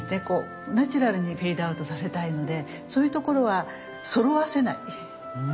こうナチュラルにフェードアウトさせたいのでそういうところはそろわせない。